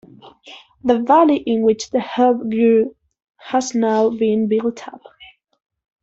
The valley in which the herb grew has now been built up.